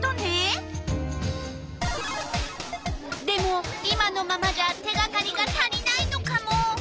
でも今のままじゃ手がかりが足りないのカモ。